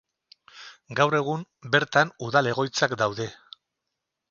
Gaur egun, bertan udal egoitzak daude.